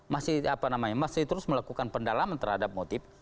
masih apa namanya masih terus melakukan pendalaman terhadap motif